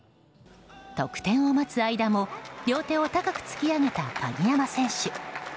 得点を待つ間も両手を高く突き上げた鍵山選手。